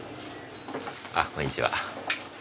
あっこんにちは。